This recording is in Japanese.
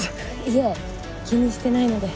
いえ気にしてないので。